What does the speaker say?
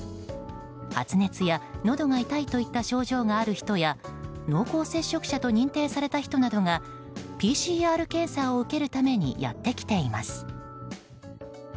発熱や、のどが痛いといった症状がある人や濃厚接触者と認定された人などがＰＣＲ検査を受けるためにやってきています。